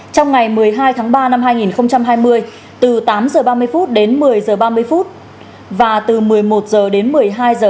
trong ngày một mươi hai tháng ba năm hai nghìn hai mươi từ tám h ba mươi đến một mươi h ba mươi và từ một mươi một h đến một mươi hai h